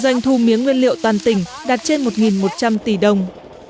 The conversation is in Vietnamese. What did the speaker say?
doanh thu mía nguyên liệu toàn tỉnh đạt trên một một trăm linh tỷ đồng